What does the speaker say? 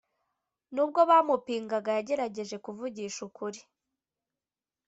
Nubwo bamupingaga yagerageje kuvugisha ukuri